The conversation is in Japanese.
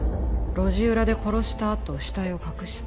路地裏で殺したあと死体を隠した。